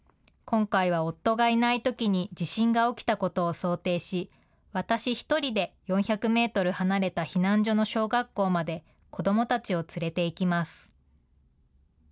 今回は夫がいないときに地震が起きたことを想定し、私１人で４００メートル離れた避難所の小学校まで子どもたちを連れていきます。